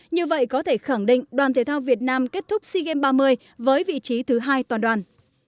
như vậy có thể khẳng định đoàn thể thao việt nam kết thúc sea games ba mươi với vị trí thứ hai toàn đoàn